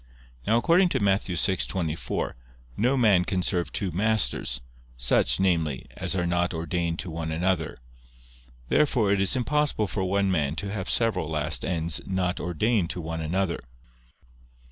Now according to Matt. 6:24, "No man can serve two masters," such, namely, as are not ordained to one another. Therefore it is impossible for one man to have several last ends not ordained to one another.